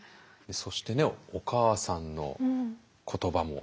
そしてねお母さんの言葉も。